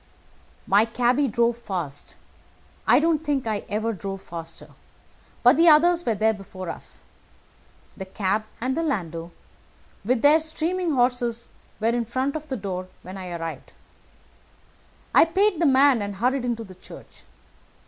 "My cabby drove fast. I don't think I ever drove faster, but the others were there before us. The cab and landau with their steaming horses were in front of the door when I arrived. I paid the man, and hurried into the church.